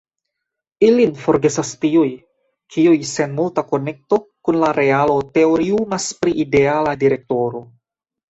Ilin forgesas tiuj, kiuj sen multa konekto kun la realo teoriumas pri ideala direktoro.